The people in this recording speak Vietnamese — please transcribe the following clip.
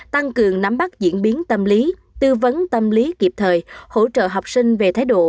tăng cường nắm bắt diễn biến tâm lý tư vấn tâm lý kịp thời hỗ trợ học sinh về thái độ